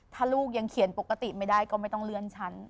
ถ้าลูกยังเขียนปกติไม่ได้ก็ไม่ต้องเลื่อนชั้น